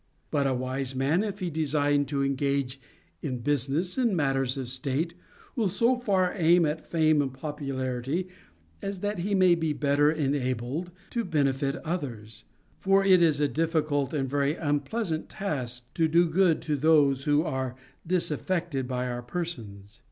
But a wise man, if he de sign to engage in business and matters of state, will so far aim at fame and popularity as that he may be better ena bled to benefit others ; for it is a difficult and very unpleas ant task to do good to those who are disaffected to our persons.